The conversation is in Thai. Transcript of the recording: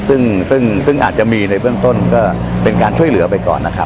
ซึ่งซึ่งอาจจะมีในเบื้องต้นก็เป็นการช่วยเหลือไปก่อนนะครับ